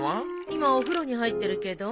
今お風呂に入ってるけど。